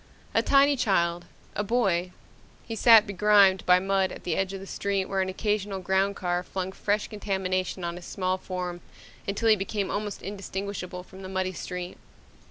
A tiny child, a boy, he sat begrimed by mud at the edge of the street where an occasional ground car flung fresh contamination on his small form until he became almost indistinguishable from the muddy street.